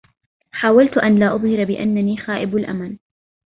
حاولت أن لا أظهر بأنني خائب الأمل.